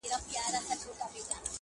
نجلۍ له غوجلې سره تړل کيږي تل-